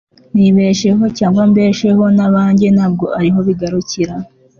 nibesheho cyangwa mbesheho n'abanjye ntabwo ariho bigarukira